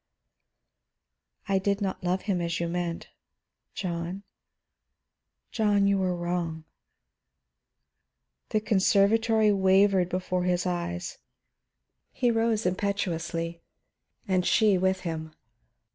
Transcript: "I did not love him, as you meant. John, John, you were wrong." The conservatory wavered before his gaze; he rose impetuously and she with him.